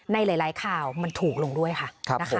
ในหลายข่าวมันถูกลงด้วยค่ะนะคะ